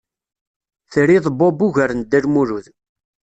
Triḍ Bob ugar n Dda Lmulud.